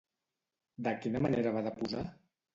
De quina manera va deposar?